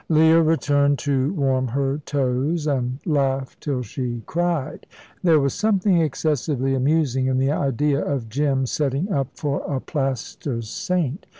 Leah returned to warm her toes and laugh till she cried. There was something excessively amusing in the idea of Jim setting up for a plaster saint.